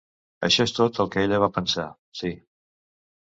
Això és tot el que ella va pensar, sI.